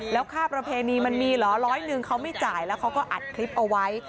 แล้วค่าประเพณีมันมีเหรอร้อยหนึ่งเขาไม่จ่ายแล้วเขาก็อัดคลิปเอาไว้